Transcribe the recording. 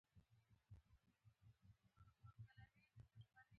همدا اوس راته وګورئ.